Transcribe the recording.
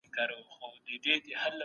دا لوښی په ډېر احتیاط جوړ سوی دی.